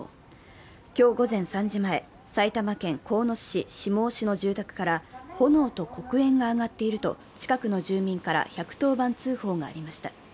今日午前３時前、埼玉県鴻巣市下忍の住宅から炎と黒煙が上がっていると近くの住民から１１０番通報がありました。